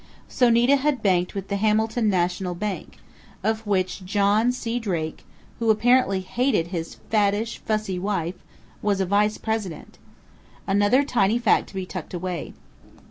So Nita had banked with the Hamilton National Bank, of which John C. Drake who apparently hated his fattish, fussy wife was a vice president! Another tiny fact to be tucked away....